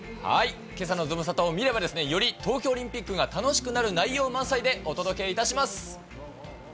けさのズムサタを見れば、より東京オリンピックが楽しくなる内容満載でお届けいたします。